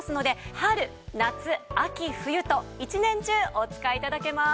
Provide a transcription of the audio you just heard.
春夏秋冬と一年中お使い頂けます。